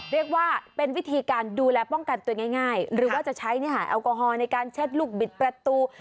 เรียกว่าเป็นวิธีการดูแลป้องกันตัวง่ายหรือว่าจะใช้แอลกอฮอลในการเช็ดลูกบิดประตู